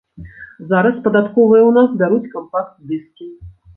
Зараз падатковыя ў нас бяруць кампакт-дыскі.